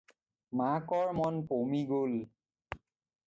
মাকৰ মন পমি গ'ল